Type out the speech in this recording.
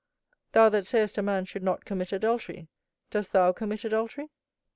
thou that sayest a man should not commit adultery, dost thou commit adultery?")